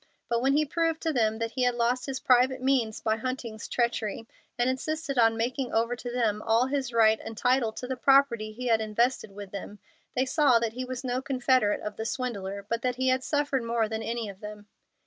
But when he proved to them that he had lost his private means by Hunting's treachery, and insisted on making over to them all his right and title to the property he had invested with them, they saw that he was no confederate of the swindler, but that he had suffered more than any of them.